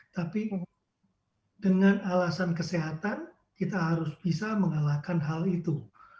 tapi dengan alasan kesehatan kita harus bisa mengalahkan hal itu